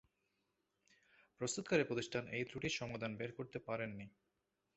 প্রস্তুতকারী প্রতিষ্ঠান এই ত্রুটির সমাধান বের করতে পারেন নি।